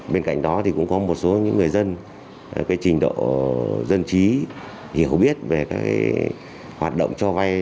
bên cạnh đó thì cũng có một số những người dân cái trình độ dân trí hiểu biết về các cái hoạt động cho vay